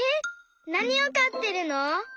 なにをかってるの？